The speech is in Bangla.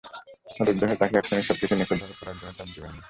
অধৈর্য হয়ে তাকে এক্ষুনি সবকিছু নিখুঁতভাবে করার জন্য চাপ দেবেন না।